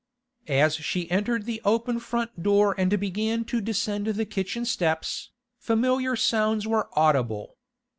As she entered by the open front door and began to descend the kitchen steps, familiar sounds were audible.